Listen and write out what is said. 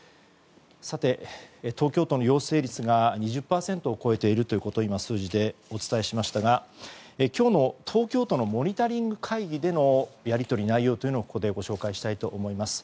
東京都の陽性率が２０％を超えているということを今、数字でお伝えしましたが今日の東京都のモニタリング会議でのやり取り、内容をここでご紹介したいと思います。